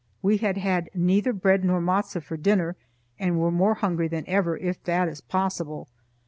We had had neither bread nor matzo for dinner, and were more hungry than ever, if that is possible.